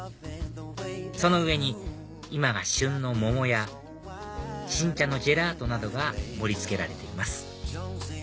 その上に今が旬の桃や新茶のジェラートなどが盛り付けられています